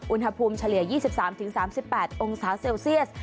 อุณหภูมิเฉลี่ย๒๓๓๘องศาเซลเซียส